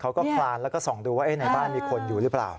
คลานแล้วก็ส่องดูว่าในบ้านมีคนอยู่หรือเปล่า